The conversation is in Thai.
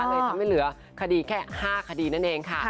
เลยทำให้เหลือคดีแค่๕คดีนั่นเองค่ะ